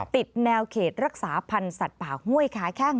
ติดแนวเขตรักษาพันธ์สัตว์ป่าห้วยค้าแข้ง